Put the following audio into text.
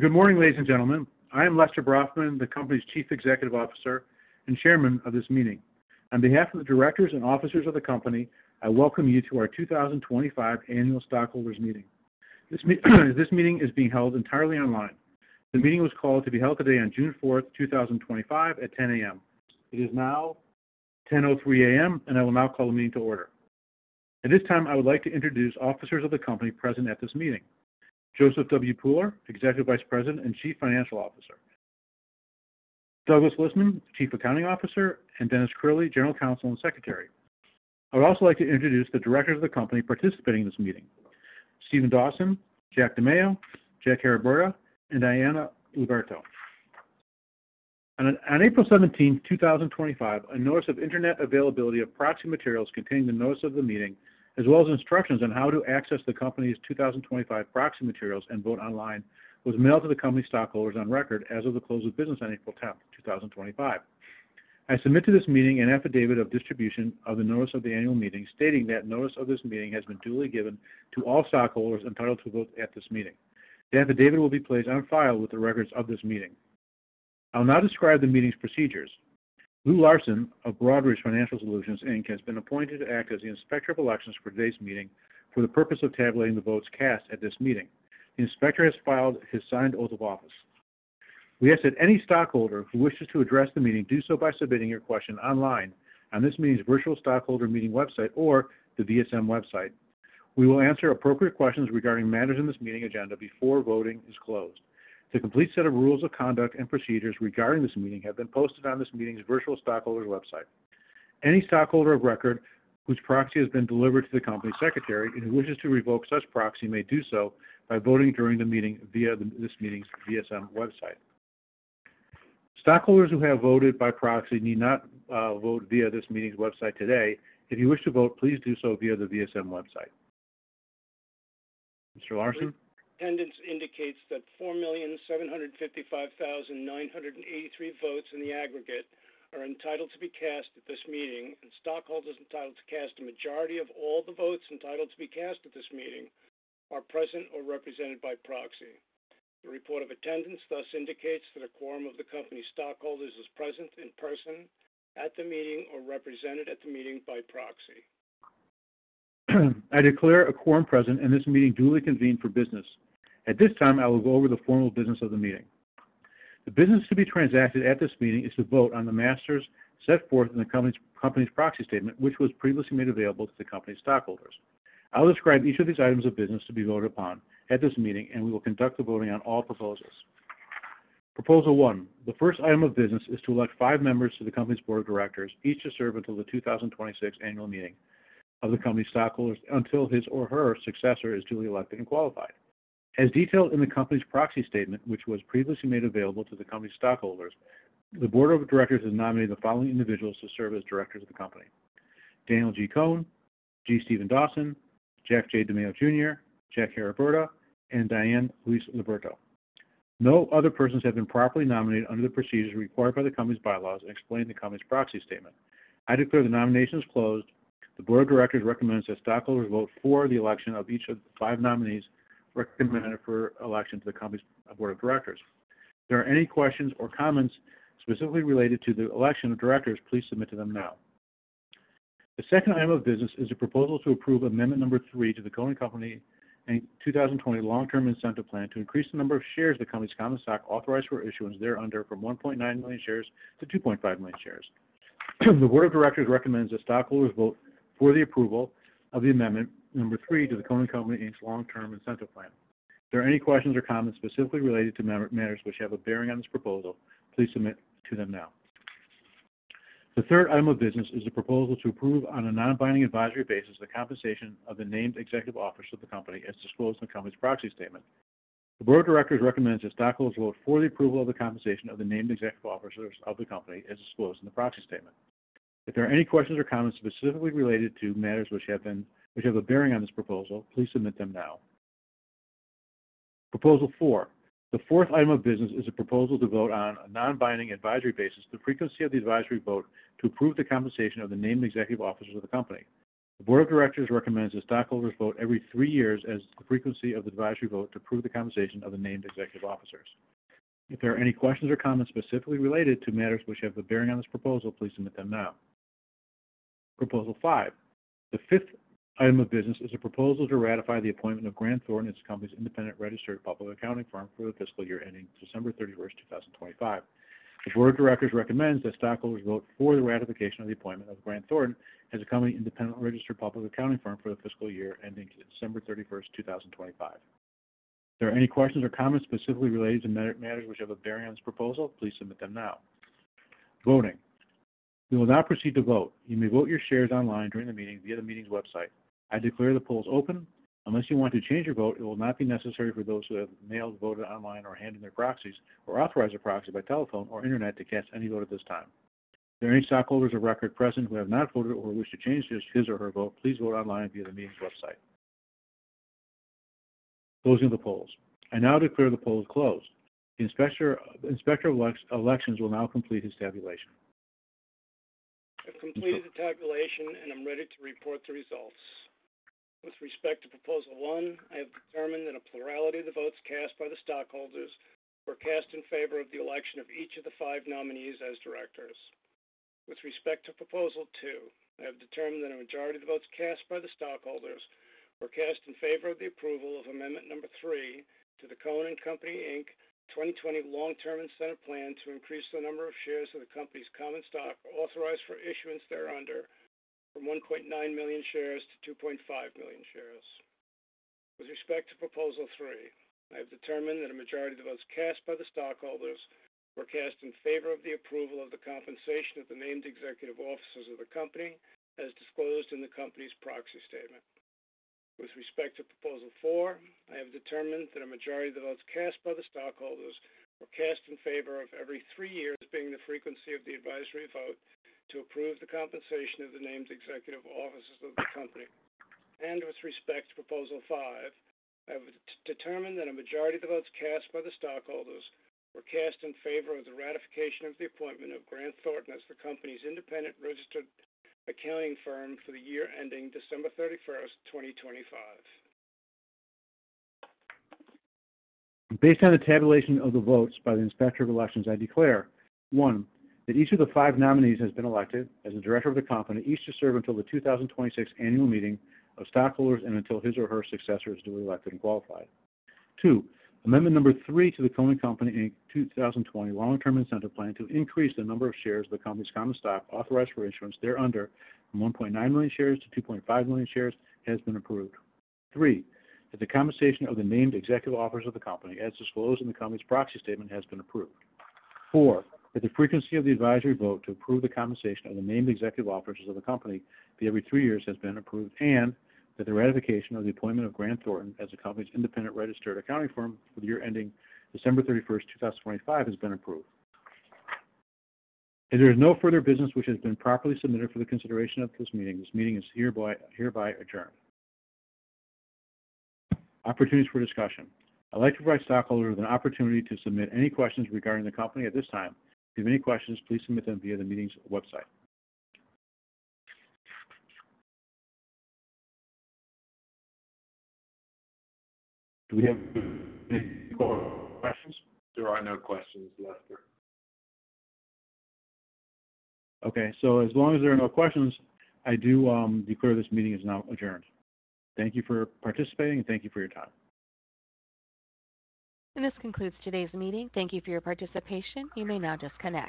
Good morning, ladies and gentlemen. I am Lester Brafman, the Company's Chief Executive Officer and Chairman of this meeting. On behalf of the directors and officers of the Company, I welcome you to our 2025 Annual Stockholders' Meeting. This meeting is being held entirely online. The meeting was called to be held today on June 4th, 2025, at 10:00 A.M. It is now 10:03 A.M., and I will now call the meeting to order. At this time, I would like to introduce officers of the Company present at this meeting: Joseph W. Pooler, Executive Vice President and Chief Financial Officer; Douglas Listman, Chief Accounting Officer; and Dennis Curley, General Counsel and Secretary. I would also like to introduce the directors of the Company participating in this meeting: G. Stephen Dawson, Jack J. DiMaio, Jr., Jack Arraburra, and Diane Louise Liberto. On April 17th, 2025, a Notice of Internet Availability of Proxy Materials containing the Notice of the Meeting, as well as instructions on how to access the Company's 2025 Proxy Materials and Vote Online, was mailed to the Company's stockholders on record as of the close of business on April 10th, 2025. I submit to this meeting an affidavit of distribution of the Notice of the Annual Meeting, stating that notice of this meeting has been duly given to all stockholders entitled to vote at this meeting. The affidavit will be placed on file with the records of this meeting. I will now describe the meeting's procedures. Louis Larsen of Broadridge Financial Solutions Inc. has been appointed to act as the Inspector of Elections for today's meeting for the purpose of tabulating the votes cast at this meeting. The Inspector has filed his signed oath of office. We ask that any stockholder who wishes to address the meeting do so by submitting your question online on this meeting's virtual stockholder meeting website or the VSM website. We will answer appropriate questions regarding matters in this meeting agenda before voting is closed. The complete set of rules of conduct and procedures regarding this meeting have been posted on this meeting's virtual stockholder meeting website. Any stockholder of record whose proxy has been delivered to the Company's Secretary and who wishes to revoke such proxy may do so by voting during the meeting via this meeting's VSM website. Stockholders who have voted by proxy need not vote via this meeting's website today. If you wish to vote, please do so via the VSM website. Mr. Larson? Attendance indicates that 4,755,983 votes in the aggregate are entitled to be cast at this meeting, and stockholders entitled to cast a majority of all the votes entitled to be cast at this meeting are present or represented by proxy. The report of attendance thus indicates that a quorum of the Company's stockholders is present in person at the meeting or represented at the meeting by proxy. I declare a quorum present and this meeting duly convened for business. At this time, I will go over the formal business of the meeting. The business to be transacted at this meeting is to vote on the matters set forth in the Company's proxy statement, which was previously made available to the Company's stockholders. I will describe each of these items of business to be voted upon at this meeting, and we will conduct the voting on all proposals. Proposal 1: The first item of business is to elect five members to the Company's Board of Directors, each to serve until the 2026 Annual Meeting of the Company's stockholders until his or her successor is duly elected and qualified. As detailed in the Company's proxy statement, which was previously made available to the Company's stockholders, the Board of Directors has nominated the following individuals to serve as directors of the Company: Daniel G. Cohen, G. Steven Dawson, Jack J. DiMaio, Jr., Jack Haraburda, and Diane Louise Liberto. No other persons have been properly nominated under the procedures required by the Company's bylaws explained in the Company's proxy statement. I declare the nominations closed. The Board of Directors recommends that stockholders vote for the election of each of the five nominees recommended for election to the Company's Board of Directors. If there are any questions or comments specifically related to the election of directors, please submit to them now. The second item of business is a proposal to approve Amendment Number 3 to the Cohen & Company Inc 2020 Long-Term Incentive Plan to increase the number of shares of the Company's common stock authorized for issuance thereunder from 1.9 million shares to 2.5 million shares. The Board of Directors recommends that stockholders vote for the approval of Amendment Number 3 to the Cohen & Company Inc Long-Term Incentive Plan. If there are any questions or comments specifically related to matters which have a bearing on this proposal, please submit them now. The third item of business is a proposal to approve on a non-binding advisory basis the compensation of the named executive officers of the Company, as disclosed in the Company's proxy statement. The Board of Directors recommends that stockholders vote for the approval of the compensation of the named executive officers of the Company, as disclosed in the proxy statement. If there are any questions or comments specifically related to matters which have a bearing on this proposal, please submit them now. Proposal 4: The fourth item of business is a proposal to vote on a non-binding advisory basis the frequency of the advisory vote to approve the compensation of the named executive officers of the Company. The Board of Directors recommends that stockholders vote every three years as the frequency of the advisory vote to approve the compensation of the named executive officers. If there are any questions or comments specifically related to matters which have a bearing on this proposal, please submit them now. Proposal 5: The fifth item of business is a proposal to ratify the appointment of Grant Thornton as the Company's Independent Registered Public Accounting Firm for the fiscal year ending December 31, 2025. The Board of Directors recommends that stockholders vote for the ratification of the appointment of Grant Thornton as the Company's Independent Registered Public Accounting Firm for the fiscal year ending December 31, 2025. If there are any questions or comments specifically related to matters which have a bearing on this proposal, please submit them now. Voting: We will now proceed to vote. You may vote your shares online during the meeting via the meeting's website. I declare the polls open. Unless you want to change your vote, it will not be necessary for those who have mailed, voted online, or handed their proxies, or authorized a proxy by telephone or internet to cast any vote at this time. If there are any stockholders of record present who have not voted or wish to change his or her vote, please vote online via the meeting's website. Closing of the polls: I now declare the polls closed. The Inspector of Elections will now complete his tabulation. I've completed the tabulation, and I'm ready to report the results. With respect to Proposal 1, I have determined that a plurality of the votes cast by the stockholders were cast in favor of the election of each of the five nominees as directors. With respect to Proposal 2, I have determined that a majority of the votes cast by the stockholders were cast in favor of the approval of Amendment Number 3 to the Cohen & Company Inc 2020 Long-Term Incentive Plan to increase the number of shares of the Company's common stock authorized for issuance thereunder from 1.9 million shares to 2.5 million shares. With respect to Proposal 3, I have determined that a majority of the votes cast by the stockholders were cast in favor of the approval of the compensation of the named executive officers of the Company, as disclosed in the Company's proxy statement. With respect to Proposal 4, I have determined that a majority of the votes cast by the stockholders were cast in favor of every three years being the frequency of the advisory vote to approve the compensation of the named executive officers of the Company. With respect to Proposal 5, I have determined that a majority of the votes cast by the stockholders were cast in favor of the ratification of the appointment of Grant Thornton as the Company's Independent Registered Public Accounting Firm for the year ending December 31, 2025. Based on the tabulation of the votes by the Inspector of Elections, I declare: 1) that each of the five nominees has been elected as the director of the company, each to serve until the 2026 Annual Meeting of stockholders and until his or her successor is duly elected and qualified; 2) Amendment Number 3 to the Cohen & Company Inc. 2020 Long-Term Incentive Plan to increase the number of shares of the Company's common stock authorized for issuance thereunder from 1.9 million shares to 2.5 million shares has been approved. 3) That the compensation of the named executive officers of the Company, as disclosed in the Company's proxy statement, has been approved. 4) That the frequency of the advisory vote to approve the compensation of the named executive officers of the Company every three years has been approved. And that the ratification of the appointment of Grant Thornton as the Company's Independent Registered Public Accounting Firm for the year ending December 31st, 2025 has been approved. If there is no further business which has been properly submitted for the consideration of this meeting, this meeting is hereby adjourned. Opportunities for discussion: I'd like to provide stockholders with an opportunity to submit any questions regarding the Company at this time. If you have any questions, please submit them via the meeting's website. Do we have any more questions? There are no questions, Lester. Okay. As long as there are no questions, I do declare this meeting is now adjourned. Thank you for participating, and thank you for your time. This concludes today's meeting. Thank you for your participation. You may now disconnect.